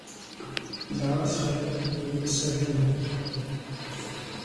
Il a un frère et une sœur aînés.